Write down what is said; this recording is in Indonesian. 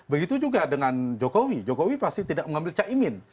begitu juga dengan jokowi jokowi pasti tidak mengambil caimin